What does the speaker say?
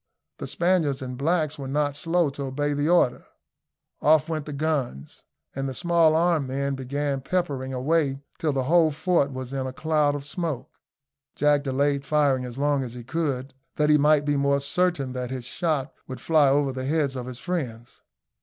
The Spaniards and blacks were not slow to obey the order. Off went the guns, and the small arm men began peppering away till the whole fort was in a cloud of smoke. Jack delayed firing as long as he could, that he might be more certain that his shot would fly over the heads of his friends.